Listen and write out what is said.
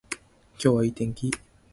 今日はいい天気